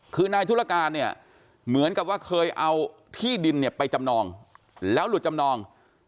คือนายธุรการเนี่ยเหมือนกับว่าเคยเอาที่ดินเนี่ยไปจำนองแล้วหลุดจำนอง